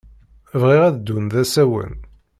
Bɣiɣ ad ddun d asawen.